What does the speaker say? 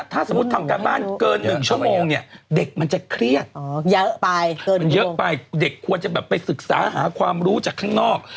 ถ้าสมมุติทำการบ้านเกิน๑ชั่วโมงเนี่ยเด็กมันจะเครียดเยอะไปมันเยอะไปเด็กควรจะแบบไปศึกษาหาความรู้จากข้างนอก